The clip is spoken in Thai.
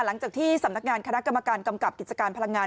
หลังจากที่สำนักงานคณะกรรมการกำกับกิจการพลังงาน